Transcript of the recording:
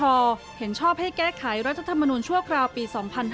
เห็นชอบให้แก้ไขรัฐธรรมนูลชั่วคราวปี๒๕๕๙